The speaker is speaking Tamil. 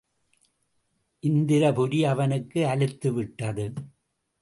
இந்திரபுரி அவனுக்கு அலுத்திவிட்டது.